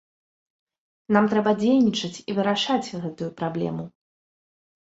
Нам трэба дзейнічаць і вырашаць гэтую праблему.